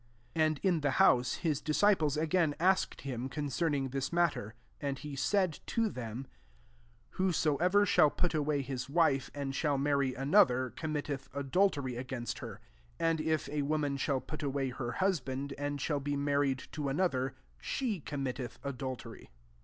'* 10 And in the house, his dis ciples again asked him concern* ing this matter. 11 And lie said to them, " Whosoever shall put away his wife^ audi shall marry another, committetb adultery against her. 12 And if a woman shall pmtaway her hi» band, and shall be marri«d to another, she committeth adul tery."